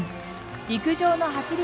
陸上の走り